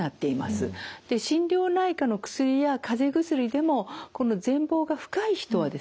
で心療内科の薬や風邪薬でもこの前房が深い人はですね